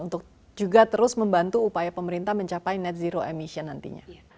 untuk juga terus membantu upaya pemerintah mencapai net zero emission nantinya